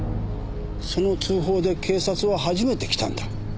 その通報で警察は初めて来たんだ。